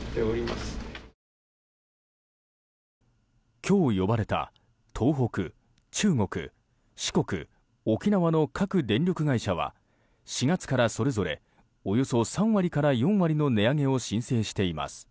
今日呼ばれた東北、中国四国、沖縄の各電力会社は４月からそれぞれおよそ３割から４割の値上げを申請しています。